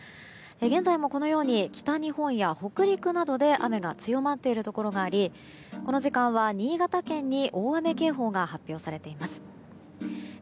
現在も北日本や北陸などで雨が強まっているところがありこの時間は新潟県に大雨警報が発表されているところがあります。